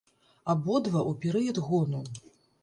Абодва ў перыяд гону.